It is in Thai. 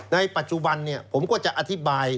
ในปัจจุบันผมก็จะอธิบาย